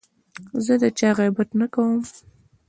زه د چا غیبت نه کوم.